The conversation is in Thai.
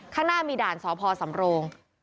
ข้างหน้ามีด่านสพสำโรง